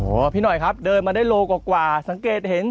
พี่หน่อยครับเดินมาได้โลกว่าสังเกตเห็น